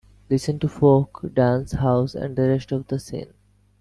Listen to folk, dance, house, and the rest of the scene.